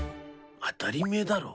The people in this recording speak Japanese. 当たり前だろ。